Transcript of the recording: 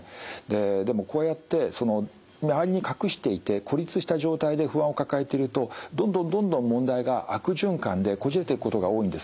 でもこうやって周りに隠していて孤立した状態で不安を抱えているとどんどんどんどん問題が悪循環でこじれていくことが多いんですね。